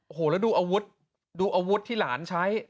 โอ้โหแล้วดูอาวุธดูอาวุธที่หลานใช้